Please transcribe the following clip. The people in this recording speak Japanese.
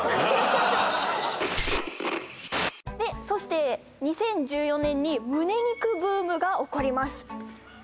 そして２０１４年にむね肉ブームが起こります